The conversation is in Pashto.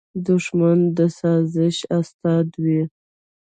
دښمن د سازش استاد وي